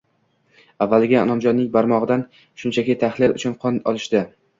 Avvaliga Inomjonning barmog`idan shunchaki tahlil uchun qon olishdi